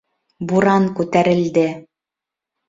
Буран күтәрелде